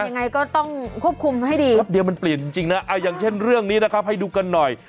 ยังไงก็ต้องควบคุมให้ดีแป๊บเดียวมันเปลี่ยนจริงนะอย่างเช่นเรื่องนี้นะครับให้ดูกันหน่อย